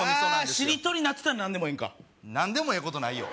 しりとりなら何でもええんか何でもええことないよ